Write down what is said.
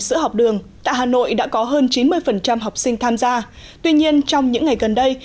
sữa học đường tại hà nội đã có hơn chín mươi học sinh tham gia tuy nhiên trong những ngày gần đây